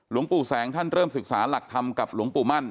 หลวงปู่แสงท่านเริ่มศึกษาหลักธรรมกับหลวงปู่มั่น